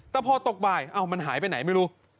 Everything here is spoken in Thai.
แต่พอตกบ่ายมันหายไปไหนไม่รู้